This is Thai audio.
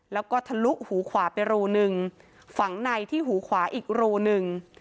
แล้วก็ทะลุหูขวาไปรูหนึ่งฝังในที่หูขวาอีกรูหนึ่ง